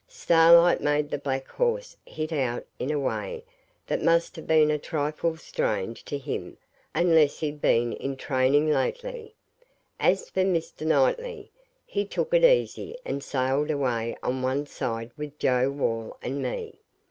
Starlight made the black horse hit out in a way that must have been a trifle strange to him unless he'd been in training lately. As for Mr. Knightley, he took it easy and sailed away on one side with Joe Wall and me.